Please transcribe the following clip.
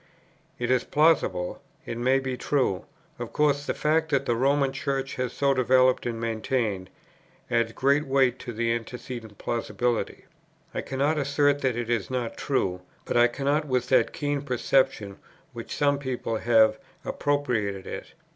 It is plausible, it may be true. Of course the fact that the Roman Church has so developed and maintained, adds great weight to the antecedent plausibility. I cannot assert that it is not true; but I cannot, with that keen perception which some people have, appropriate it.